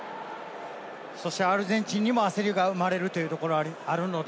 そしてアルゼンチンにも焦りが生まれるというところはあるので。